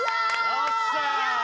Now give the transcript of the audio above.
よっしゃ！